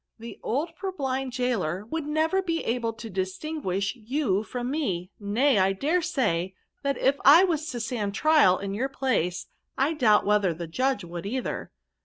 The old purblind gaoler would never be able to dis tinguish you from me ; nay, I dare say, that VCRBS. S75 if I was to stand the trial in your place, I doubt whether the judge would either.